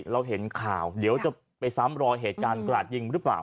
เราเห็นข่าวเดี๋ยวจะไปซ้ำรอยเหตุการณ์กราดยิงหรือเปล่า